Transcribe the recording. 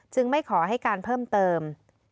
จึงไม่ขอให้กันเพิ่มเติม